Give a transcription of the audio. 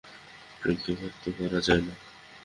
প্রেমকে ব্যক্ত করা যায় না।